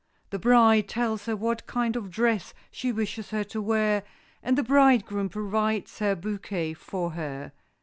The bride tells her what kind of dress she wishes her to wear, and the bridegroom provides her bouquet for her.